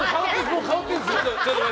もう変わってるんです。